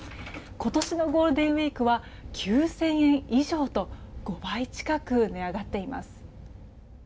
今年のゴールデンウィークは９０００円以上と５倍近く値上がっています。